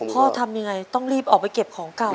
ทำยังไงต้องรีบออกไปเก็บของเก่า